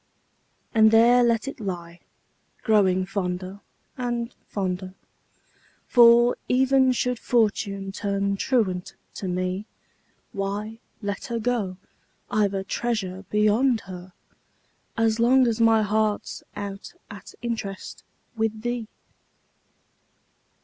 And there let it lie, growing fonder and, fonder For, even should Fortune turn truant to me, Why, let her go I've a treasure beyond her, As long as my heart's out at interest With thee!